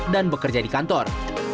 dan bekerja di kantor